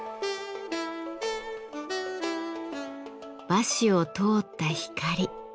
和紙を通った光。